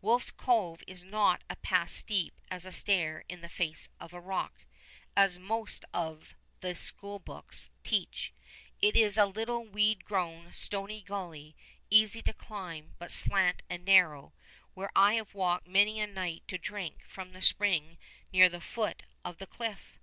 Wolfe's Cove is not a path steep as a stair up the face of a rock, as the most of the schoolbooks teach; it is a little weed grown, stony gully, easy to climb, but slant and narrow, where I have walked many a night to drink from the spring near the foot of the cliff.